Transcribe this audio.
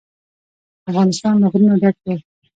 افغانستان له غرونه ډک دی.